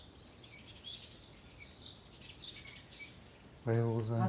おはようございます。